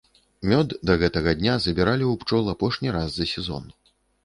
Мёд да гэтага дня забіралі ў пчол апошні раз за сезон.